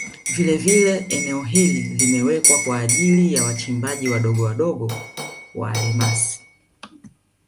Vilevile eneo hili limewekwa kwa ajili ya wachimbaji wadogo wadogo wa almasi